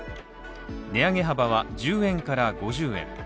値上げ幅は１０円から５０円。